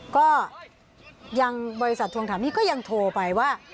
ก็ยังบริษัททวงถามหนี้ก็ยังโทรไปว่า